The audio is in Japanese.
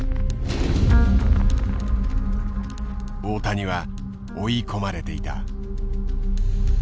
大谷は追い込まれていた。